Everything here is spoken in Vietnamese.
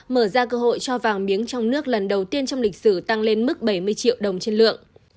mở ra cơ hội cho vàng miếng trong nước lần đầu tiên trong lịch sử tăng lên mức bảy mươi triệu đồng trên lượng